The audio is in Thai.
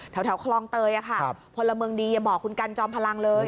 แถวคลองเตยค่ะพลเมืองดีอย่าบอกคุณกันจอมพลังเลย